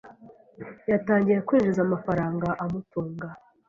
yatangiye kwinjiza amafaranga amutunga